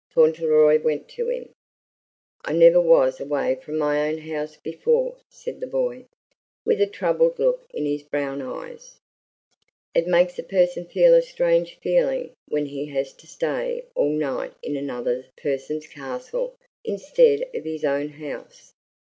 Fauntleroy went to him. "I never was away from my own house before," said the boy, with a troubled look in his brown eyes. "It makes a person feel a strange feeling when he has to stay all night in another person's castle instead of in his own house.